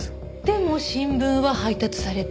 でも新聞は配達されていた。